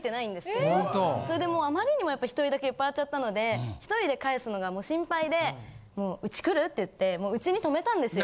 それでもうあまりにもやっぱ１人だけ酔っぱらっちゃったので１人で帰すのが心配で「ウチ来る？」って言ってウチに泊めたんですよ。